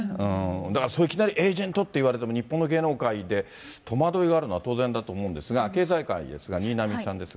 だからいきなりエージェントって言われても、日本の芸能界で戸惑いがあるのは当然だと思うんですが、経済界ですが、新浪さんですが。